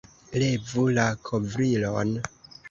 Levu la kovrilon!